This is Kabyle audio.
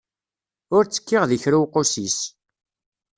Ur ttekkiɣ di kra uqusis.